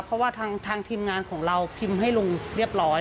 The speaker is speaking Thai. เพราะว่าทางทีมงานของเราพิมพ์ให้ลุงเรียบร้อย